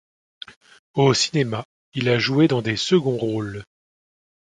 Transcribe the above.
Au cinéma, il a joué dans des seconds rôles.